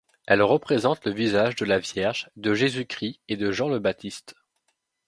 Elle représente le visage de la Vierge, de Jésus-Christ et de Jean le Baptiste.